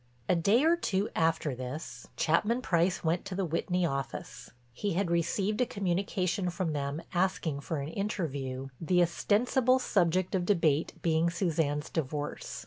A day or two after this, Chapman Price went to the Whitney office. He had received a communication from them asking for an interview, the ostensible subject of debate being Suzanne's divorce.